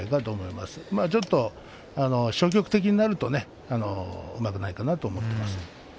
まあちょっと消極的になるとねうまくないかなと思います。